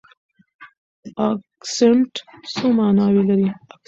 اکسنټ څو ماناوې لري؟